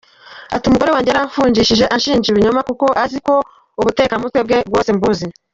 Ati “Umugore wanjye yaramfungishije, anshinja ibinyoma kuko azi ko ubutekamutwe bwe bwose mbuzi.